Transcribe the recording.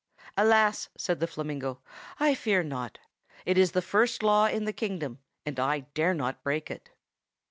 "Alas!" said the flamingo, "I fear not. It is the first law in the kingdom, and I dare not break it."